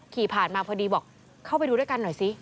ขี่ผ่านมาพอดีบอกเข้าไปดูด้วยกันหน่อยสิ